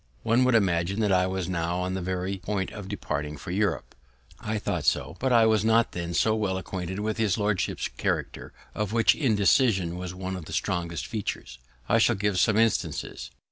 One would imagine that I was now on the very point of departing for Europe. I thought so; but I was not then so well acquainted with his lordship's character, of which indecision was one of the strongest features. I shall give some instances.